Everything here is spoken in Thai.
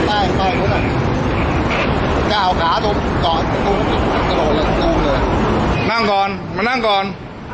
จะเอาก็หน้างก่อนมานั่งก่อน